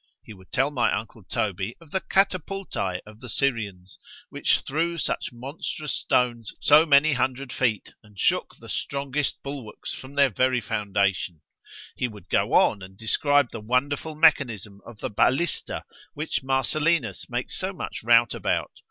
—He would tell my uncle Toby of the CATAPULTÆ of the Syrians, which threw such monstrous stones so many hundred feet, and shook the strongest bulwarks from their very foundation:—he would go on and describe the wonderful mechanism of the BALLISTA which Marcellinus makes so much rout about!